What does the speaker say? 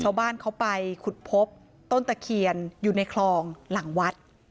ชาวบ้านเขาไปขุดพบต้นตะเคียนอยู่ในคลองหลังวัด